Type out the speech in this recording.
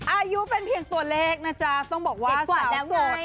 อายุเป็นเพียงตัวเล็กนะจ้ะต้องบอกว่าสาวสวด